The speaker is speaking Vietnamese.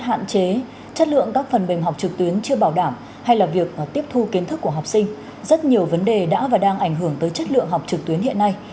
hạn chế chất lượng các phần mềm học trực tuyến chưa bảo đảm hay là việc tiếp thu kiến thức của học sinh rất nhiều vấn đề đã và đang ảnh hưởng tới chất lượng học trực tuyến hiện nay